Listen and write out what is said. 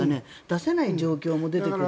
出せない状況も出てくる。